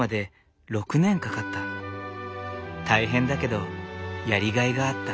大変だけどやりがいがあった。